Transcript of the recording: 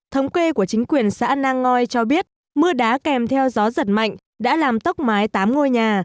thống quê của chính quyền xã nang ngoi cho biết mưa đá kèm theo gió giật mạnh đã làm tốc mái tám ngôi nhà